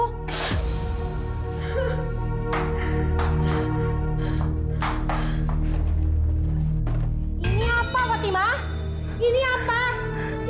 sekarang cepat kembalikan perhiasanku